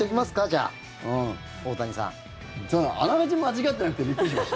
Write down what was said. あながち間違ってなくてびっくりしました。